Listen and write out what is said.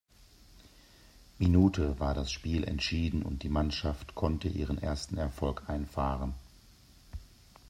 Minute war das Spiel entschieden und die Mannschaft konnte ihren ersten Erfolg einfahren.